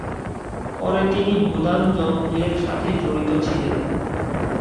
পরে তিনি ভুদান-যঞ্জের সাথে জড়িতছিলেন।